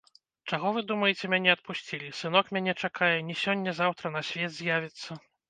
Чаго вы думаеце мяне адпусцілі, сынок мяне чакае, не сёння-заўтра на свет з'явіцца.